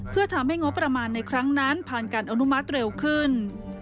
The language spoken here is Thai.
เพื่อทำให้งบประมาณในครั้งนั้นผ่านการอนุมัติเร็วขึ้น